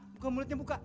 buka mulutnya buka